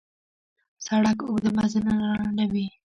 سړک اوږده مزلونه را لنډوي.